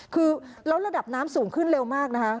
คือแล้วระดับน้ำสูงขึ้นเร็วมากนะคะ